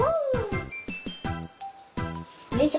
よいしょ。